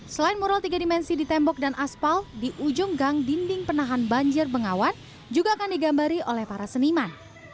selain mural tiga dimensi di tembok dan aspal di ujung gang dinding penahan banjir bengawan juga akan digambari oleh para seniman